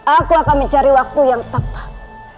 aku akan mencari waktu yang tepat